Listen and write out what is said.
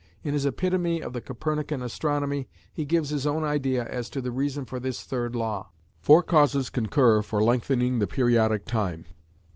In his "Epitome of the Copernican Astronomy," he gives his own idea as to the reason for this Third Law. "Four causes concur for lengthening the periodic time.